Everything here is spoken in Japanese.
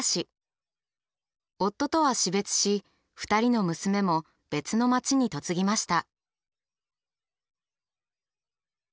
夫とは死別し２人の娘も別の街に嫁ぎました。